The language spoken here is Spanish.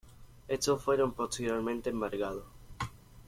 Estos fueron posteriormente embargados.